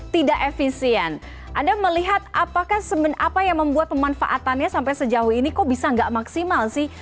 tidak efisien anda melihat apa yang membuat pemanfaatannya sampai sejauh ini kok bisa nggak maksimal sih